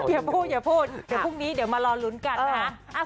อย่าพูดอย่าพูดเดี๋ยวพรุ่งนี้เดี๋ยวมารอลุ้นกันนะคะ